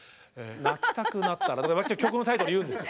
「泣きたくなったら」曲のタイトルを言うんです。